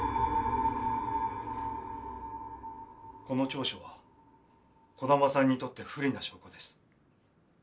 この調書は児玉さんにとって不利な証拠です。